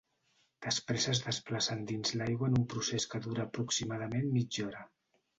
Després es desplacen dins l'aigua en un procés que dura aproximadament mitja hora.